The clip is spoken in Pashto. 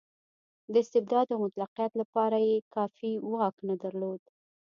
د استبداد او مطلقیت لپاره یې کافي واک نه درلود.